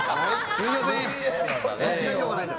すみません。